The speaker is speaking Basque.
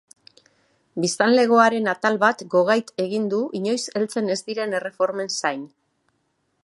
Biztanlegoaren atal bat gogait egin du inoiz heltzen ez diren erreformen zain.